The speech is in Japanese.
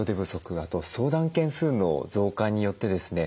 あと相談件数の増加によってですね